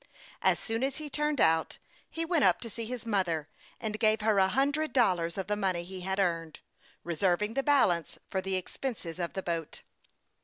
As soon as he turned out, he went up to see his mother, and gave her a hundred dollars of the money he had earned, re serving the balance for the expenses of the boat.